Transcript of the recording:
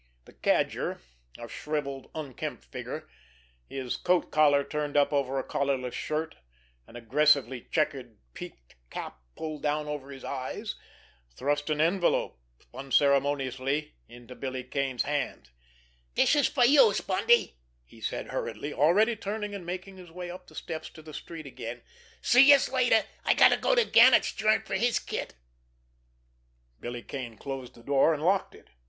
The Cadger, a shrivelled, unkempt figure, his coat collar turned up over a collarless shirt, an aggressively checkered peak cap pulled far down over his eyes, thrust an envelope unceremoniously into Billy Kane's hand. "Dis is fer youse, Bundy," he said hurriedly, already turning and making his way up the steps to the street again. "See youse later! I gotta go to Gannet's joint fer his kit." Billy Kane closed the door, and locked it.